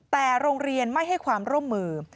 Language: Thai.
แต่โรงเรียนไม่ให้ความร่วมมือ